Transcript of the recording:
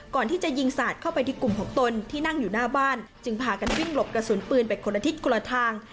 ก่อนที่จะยิงสาดเข้าไปที่กลุ่มของตนที่นั่งอยู่หน้าบ้านจึงพากันวิ่งหลบกระสุนปืนไปคนละทิศคนละทาง